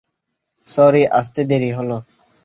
Sorry আসতে দেরী হল।